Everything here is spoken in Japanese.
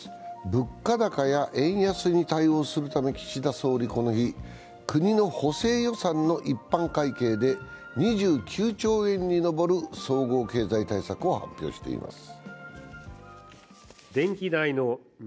物価高や円安に対応するため、岸田総理はこの日、国の補正予算の一般会計で２９兆円に上る総合経済対策を発表しています。